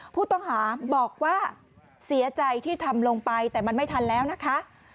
ผู้ต้องหาบอกว่าเสียใจที่ทำลงไปแต่มันไม่ทันแล้วนะคะ